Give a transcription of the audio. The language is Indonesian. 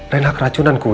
reina keracunan kue